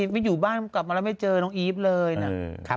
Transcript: ไม่อยู่บ้านกลับมาแล้วไม่เจอน้องอีฟเลยนะ